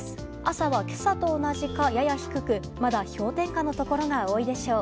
朝は今朝と同じか、やや低くまだ氷点下のところが多いでしょう。